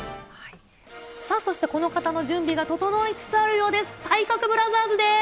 さあ、そして、この方の準備が整いつつあるようです。